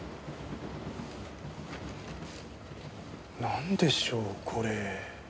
なんでしょうこれ？